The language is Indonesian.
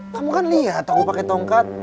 kamu kan liat aku pake tongkat